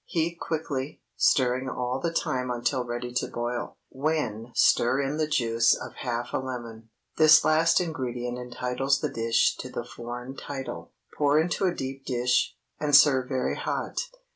Heat quickly, stirring all the time until ready to boil, when stir in the juice of half a lemon. This last ingredient entitles the dish to the foreign title. Pour into a deep dish, and serve very hot.